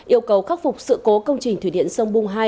yêu cầu khắc phục sự cố công trình thủy điện sông bung hai